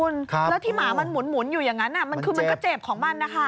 แล้วที่หมามันหมุนอยู่อย่างนั้นมันคือมันก็เจ็บของมันนะคะ